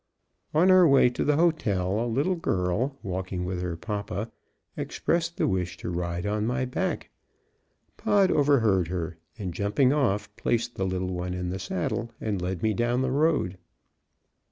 On our way to the hotel a little girl, walking with her papa, expressed the wish to ride on my back. Pod overheard her, and jumping off, placed the little one in the saddle, and led me down the street.